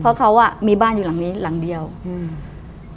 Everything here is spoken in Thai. เพราะเขาอ่ะมีบ้านอยู่หลังนี้หลังเดียวอืม